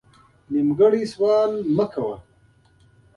نیمګړی سوال مه کوه